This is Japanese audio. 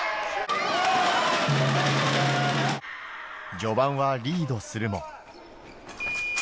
序盤はリードするも。